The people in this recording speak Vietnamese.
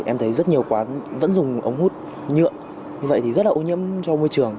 em thấy rất nhiều quán vẫn dùng ống hút nhựa như vậy thì rất là ô nhiễm cho môi trường